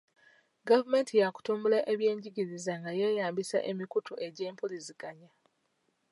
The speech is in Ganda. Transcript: Gavumenti ya kutumbula ebyenjigiriza nga yeeyambisa emikutu gy'ebyempuliziganya.